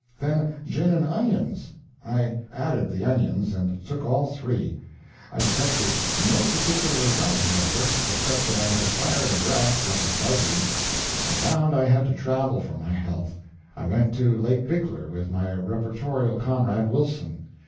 Then gin and onions; I added the onions, and took all three. I detected no particular result, however, except that I had acquired a breath like a buzzard's. I found I had to travel for my health. I went to Lake Bigler with my reportorial comrade, Wilson.